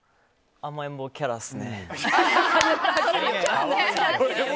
甘えん坊キャラっすね。